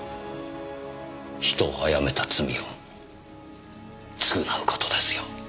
人を殺めた罪を償う事ですよ。